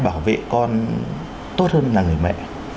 bảo vệ con tốt hơn là người mẹ